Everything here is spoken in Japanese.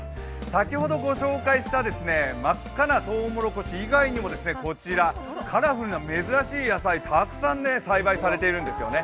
先ほどご紹介した真っ赤なとうもろこし以外にも、こちら、カラフルな珍しい野菜たくさん栽培されているんですよね。